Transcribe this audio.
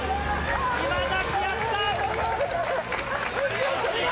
今、抱き合った。